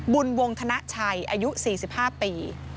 บุญวงธนชัยอายุ๔๕ปี